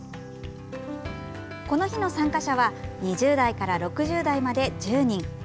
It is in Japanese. この日の参加者は２０代から６０代まで１０人。